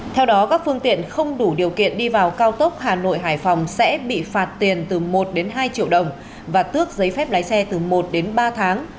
theo đó các phương tiện không đủ điều kiện đi vào cao tốc hà nội hải phòng sẽ bị phạt tiền từ một đến hai triệu đồng và tước giấy phép lái xe từ một đến ba tháng